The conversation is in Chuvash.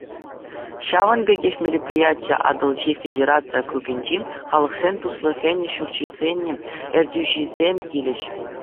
Ҫавӑн пекех мероприятие Атӑлҫи федераци округӗнчи Халӑхсен туслӑхӗн ҫурчӗсен ертӳҫисем килӗҫ.